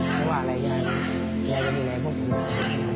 ไม่ว่าอะไรยายยายจะดูแลพวกผมสำหรับผม